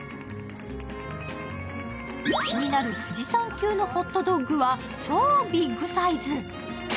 気になる富士山級のホットドッグは超ビッグサイズ。